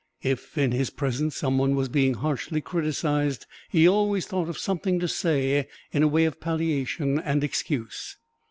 If in his presence some one was being harshly criticized, he always thought of something to say in way of palliation and excuse."